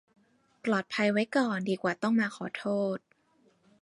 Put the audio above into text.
ปลอดภัยไว้ก่อนดีกว่าต้องมาขอโทษ